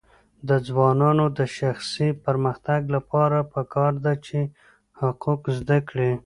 د ځوانانو د شخصي پرمختګ لپاره پکار ده چې حقوق زده کړي.